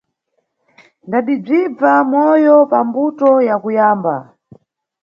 Ndadibzibva, moyo pambuto ya kuyamba.